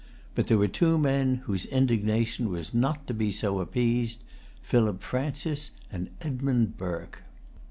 But there were two men whose indignation was not to be so appeased, Philip Francis and Edmund Burke.